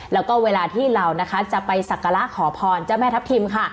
แล้วก็เวลาที่เรานะคะจะไปสักการะขอพรเจ้าแม่ทัพทิมค่ะ